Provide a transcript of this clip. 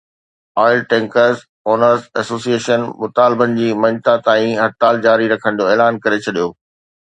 oil tanker owners association مطالبن جي مڃتا تائين هڙتال جاري رکڻ جو اعلان ڪري ڇڏيو